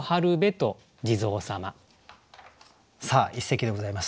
さあ一席でございます。